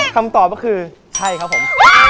คำตอบก็คือใช่ครับผม